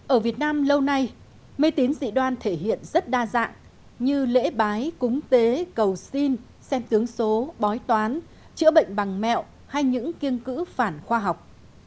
ở việt nam lâu nay mê tín dị đoan thể hiện rất đa dạng như lễ bái cúng tế cầu xin xem tướng số bói toán chữa bệnh bằng mẹo hay những kiêng phản khoa học